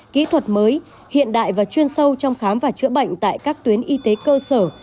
kỹ thuật mới hiện đại và chuyên sâu trong khám và chữa bệnh tại các tuyến y tế cơ sở